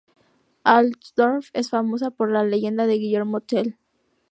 Altdorf es famosa por la leyenda de Guillermo Tell.